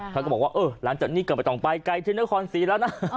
เขาก็บอกว่าอื้อร้านจากนี้เกิดไปต่อไปไกลที่เนื้อคอน๔แล้วนะ